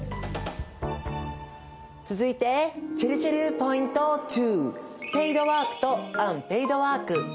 続いてちぇるちぇるポイント２。